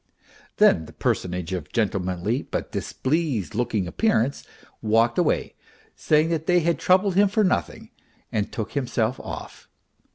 Then the personage of gentlemanly, but displeased looking, appearance walked away saying that they had troubled him for nothing, and took himself off.